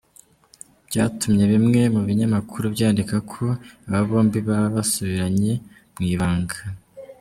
byatumye bimwe mu binyamakuru byandika ko aba bombi baba basubiranye mu ibanga.